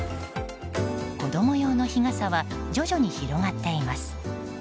子供用の日傘は徐々に広がっています。